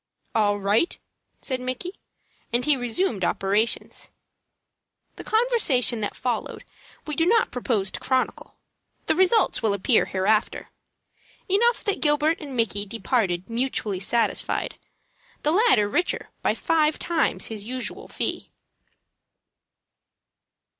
"All right!" said Micky, and he resumed operations. The conversation that followed we do not propose to chronicle. The results will appear hereafter. Enough that Gilbert and Micky departed mutually satisfied, the latter the richer by five times his usual fee.